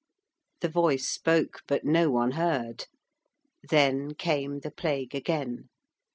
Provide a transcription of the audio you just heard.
The voice spoke, but no one heard. Then came the Plague again.